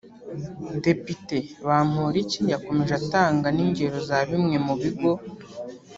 Depite Bamporiki yakomeje atanga n’ingero za bimwe mu bigo